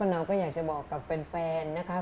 เราก็อยากจะบอกกับแฟนนะครับ